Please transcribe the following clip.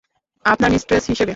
আপনার মিস্ট্রেস হিসেবে।